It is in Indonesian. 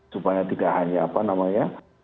supaya tidak hanya apa namanya